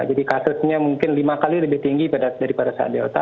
jadi kasusnya mungkin lima kali lebih tinggi daripada saat delta